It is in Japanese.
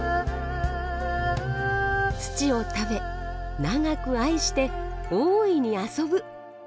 土を食べ長く愛して大いに遊ぶ。